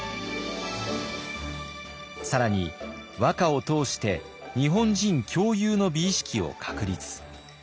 更に和歌を通して日本人共有の美意識を確立。